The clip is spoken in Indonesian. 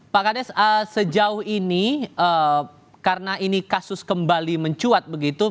pak kades sejauh ini karena ini kasus kembali mencuat begitu